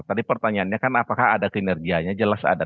tadi pertanyaannya kan apakah ada kinerjanya jelas ada